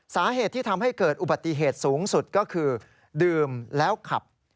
สาเหตุที่ทำให้เกิดอุบัติเหตุสูงสุดก็คือดื่มแล้วขับ